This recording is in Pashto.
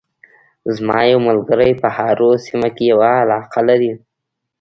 زما یو ملګری په هارو سیمه کې یوه علاقه لري